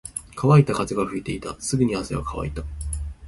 乾いた風が吹いていた。すぐに汗は乾いた。